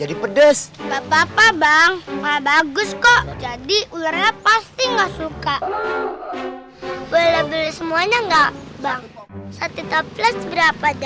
ada suara ular